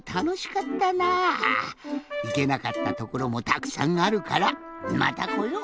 いけなかったところもたくさんあるからまたこよう。